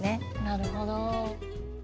なるほど。